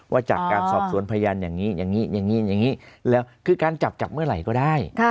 ว่าจากการสอบสวนพยานอย่างนี้อย่างนี้อย่างนี้แล้วคือการจับจับเมื่อไหร่ก็ได้